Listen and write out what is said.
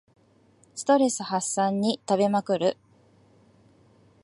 ストレス発散に食べまくる